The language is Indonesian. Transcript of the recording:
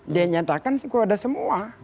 dia nyatakan kok ada semua